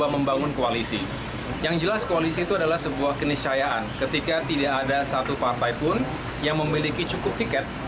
pemilu dan pilpres dua ribu sembilan belas tidak ada satu partai pun yang memiliki cukup tiket